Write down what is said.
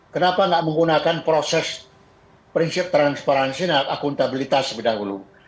kenapa nggak menggunakan proses prinsip transparansi dan akuntabilitas sebelumnya